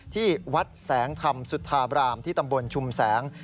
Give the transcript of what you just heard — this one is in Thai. ที่วัดแสงธรรมสุธาบรามที่ตำบลชุมแสง